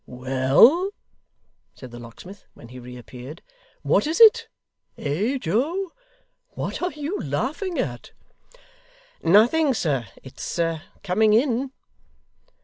'Well,' said the locksmith, when he reappeared: 'what is it? eh Joe? what are you laughing at?' 'Nothing, sir. It's coming in.